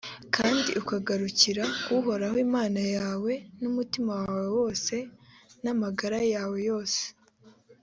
kandi ukagarukira uhoraho imana yawe n’umutima wawe wose, n’amagara yawe yose.